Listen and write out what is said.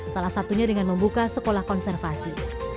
salah satunya dengan membuka sekolah konservasi